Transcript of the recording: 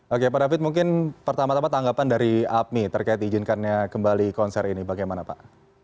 oke pak david mungkin pertama tama tanggapan dari apmi terkait izinkannya kembali konser ini bagaimana pak